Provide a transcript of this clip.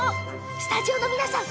スタジオの皆さん！